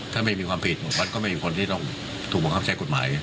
ถ้าไม่มีความผิดผมวัดก็ไม่มีคนที่ต้องถูกบังคับใช้กฎหมาย